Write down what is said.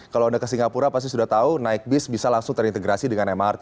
kalau anda ke singapura pasti sudah tahu naik bis bisa langsung terintegrasi dengan mrt